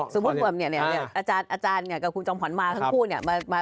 สมมุติว่าเนี่ยอาจารย์กับคุณจอมขวัญมาทั้งคู่เนี่ย